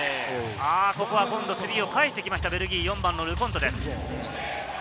ここはスリーを返してきました、４番のルコントです。